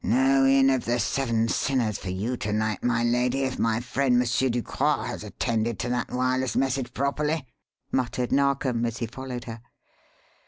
"No Inn of the Seven Sinners for you to night, my lady, if my friend M. Ducroix has attended to that wireless message properly," muttered Narkom as he followed her.